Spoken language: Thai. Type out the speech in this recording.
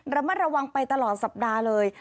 ระมัดระวังไปตลอดสัปดาห์เลย